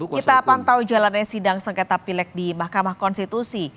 kita pantau jalannya sidang sengketa pilek di mahkamah konstitusi